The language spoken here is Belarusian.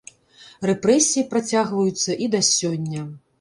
Рэпрэсіі працягваюцца і да сёння.